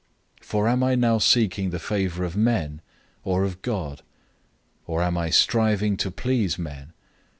001:010 For am I now seeking the favor of men, or of God? Or am I striving to please men?